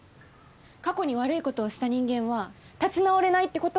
過去に悪い事をした人間は立ち直れないって事？